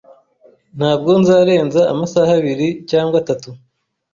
Ntabwo nzarenza amasaha abiri cyangwa atatu.